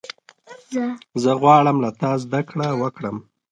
زه غواړم له تا زدهکړه وکړم.